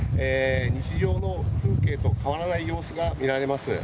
日常の風景と変わらない様子が見られます。